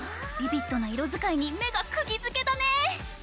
ビビッドな色使いに目がくぎづけだね！